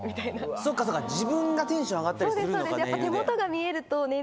そっか自分がテンション上がったりするのかネイルで。